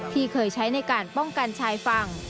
ที่เคยใช้ในการป้องกันชายฝั่ง